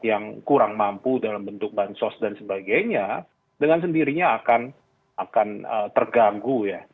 yang kurang mampu dalam bentuk bansos dan sebagainya dengan sendirinya akan terganggu ya